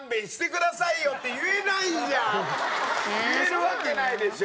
言えるわけないでしょ。